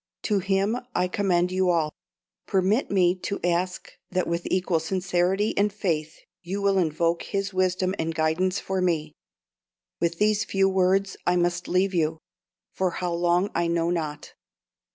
To Him I commend you all. Permit me to ask that with equal sincerity and faith you will invoke His wisdom and guidance for me. With these few words I must leave you, for how long I know not.